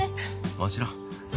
もちろん。